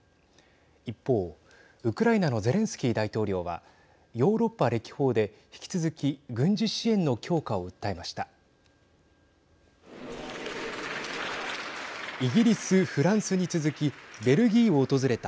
一方、ウクライナのゼレンスキー大統領はヨーロッパ歴訪で引き続き軍事支援の強化を訴えました。